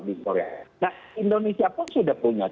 nah indonesia pun sudah punya